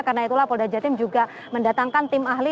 karena itulah polda jawa timur juga mendatangkan tim ahli